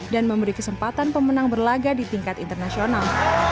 dan memberi kesempatan pemenang berlaga di tingkat internasional